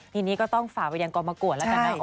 ทีนี้ก็ต้องฝ่าวิทยากรประกวดแล้วกันนะ